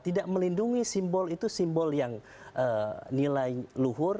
tidak melindungi simbol itu simbol yang nilai luhur